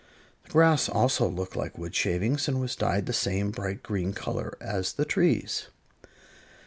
The grass also looked like wood shavings, and was dyed the same bright green color as the trees.